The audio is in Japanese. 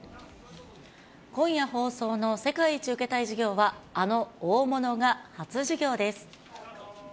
今夜放送の世界一受けたい授業は、あの大物が初授業です。